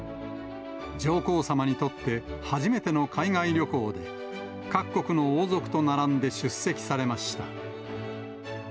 上皇さまにとって初めての海外旅行で、各国の王族と並んで出席されました。